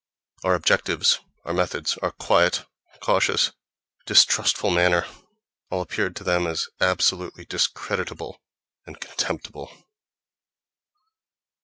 Our objectives, our methods, our quiet, cautious, distrustful manner—all appeared to them as absolutely discreditable and contemptible.